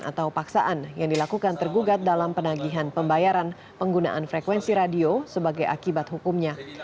atau paksaan yang dilakukan tergugat dalam penagihan pembayaran penggunaan frekuensi radio sebagai akibat hukumnya